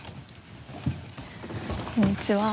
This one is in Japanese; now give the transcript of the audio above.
こんにちは。